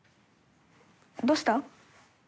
どうした？